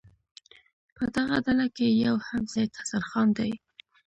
په دغه ډله کې یو هم سید حسن خان دی.